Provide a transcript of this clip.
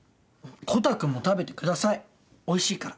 コタくんも食べてくださいおいしいから。